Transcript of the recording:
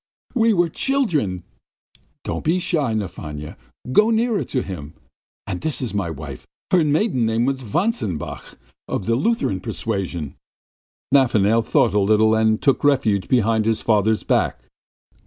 Ho ho! ... we were children! ... Don't be shy, Nafanya. Go nearer to him. And this is my wife, her maiden name was Vantsenbach, of the Lutheran persuasion. ..." Nafanail thought a little and took refuge behind his father's back.